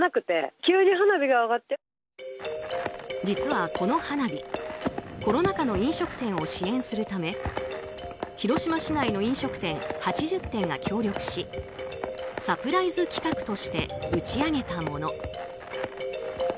実はこの花火コロナ禍の飲食店を支援するため広島市内の飲食店８０店が協力しサプライズ企画として打ち上げたもの。